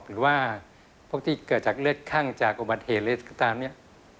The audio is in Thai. หรือว่าพวกที่เกิดจากเลสข้างจากอุบัติเหตุก็ตามนี้